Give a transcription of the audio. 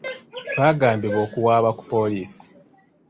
Baagambibwa okuwaaba ku poliisi.